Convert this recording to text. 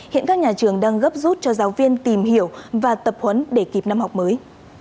hiện các nhà trường đang gấp rút cho giáo viên tìm hiểu và tập huấn để kịp năm học mới